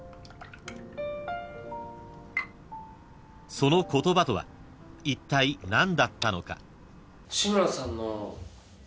［その言葉とはいったい何だったのか？］